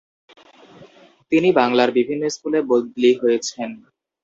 তিনি বাংলার বিভিন্ন স্কুলে বদলি হয়েছেন।